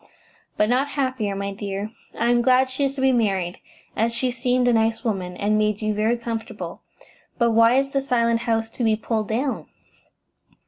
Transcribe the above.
"But not happier, my dear. I am glad she is to be married, as she seemed a nice woman, and made you very comfortable. But why is the Silent House to be pulled down?"